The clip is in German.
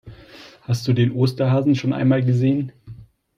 Hast du den Osterhasen schon einmal gesehen?